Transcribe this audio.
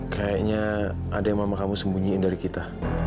kayaknya ada yang mama kamu sembunyiin dari kita